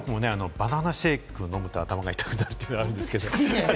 バナナシェイクを飲むと頭が痛くなるってあるんですけれども。